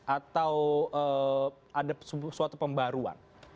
atau ada suatu pembaruan